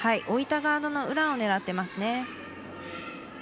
置いたガードの裏を狙ってますね。